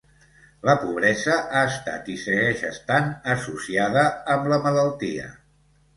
La pobresa ha estat i segueix estant associada amb la malaltia.